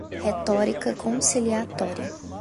Retórica conciliatória